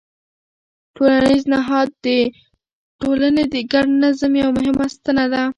ټولنیز نهاد د ټولنې د ګډ نظم یوه مهمه ستنه ده.